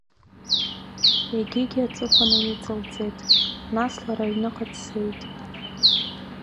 Егьигьы аҵыхәаны иҵалҵеит, нас лара аҩныҟа дцеит.